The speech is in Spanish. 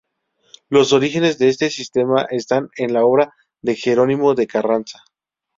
Los orígenes de este sistema están en la obra de Jerónimo de Carranza.